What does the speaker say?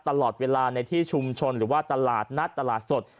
ตลอดเวลาในที่ชุมชนหรือว่าตลาดนัดตลาดสด